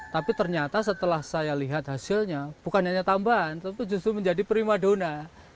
tapi ternyata setelah saya lihat hasilnya bukan hanya tambahan tapi justru menjadi prima dona